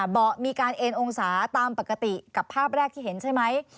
เบาะมีการเอ็นองศาตามปกติกับภาพแรกที่เห็นใช่ไหม